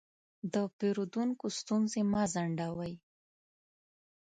د پیرودونکو ستونزې مه ځنډوئ.